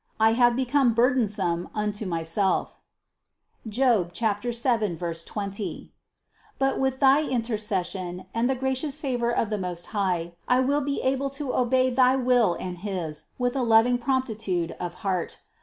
I have become burdensome unto myself (Job 7, 20) ; but with thy intercession and the gracious favor of the Most High I will be able to obey thy will and his with a loving promptitude of heart.